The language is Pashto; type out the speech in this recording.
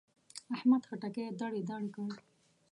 احمد خټکی دړې دړې کړ.